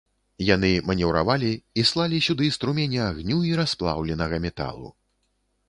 Яны манеўравалі і слалі сюды струмені агню і расплаўленага металу.